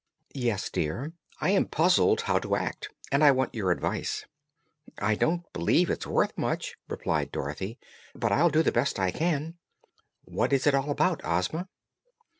"Yes, dear. I am puzzled how to act, and I want your advice." "I don't b'lieve it's worth much," replied Dorothy, "but I'll do the best I can. What is it all about, Ozma?"